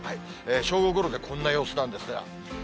正午ごろで、こんな様子なんですが。